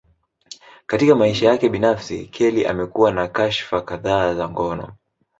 Katika maisha yake binafsi, Kelly amekuwa na kashfa kadhaa za ngono.